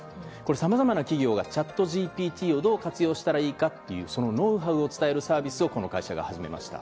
さまざまな企業がチャットＧＰＴをどう活用したらいいかというそのノウハウを伝えるサービスをこの会社が始めました。